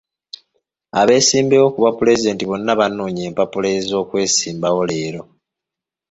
Abeesimbyewo ku bwa pulezidenti bonna banonye empapula z'okwesimbawo leero.